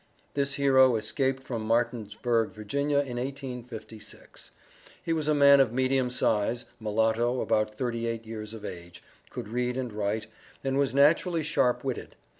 This hero escaped from Martinsburg, Va., in 1856. He was a man of medium size, mulatto, about thirty eight years of age, could read and write, and was naturally sharp witted.